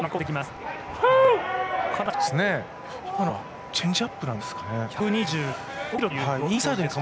今のはチェンジアップなんですかね。